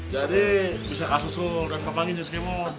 jadi bisa kasih susul dan panggilin si kemot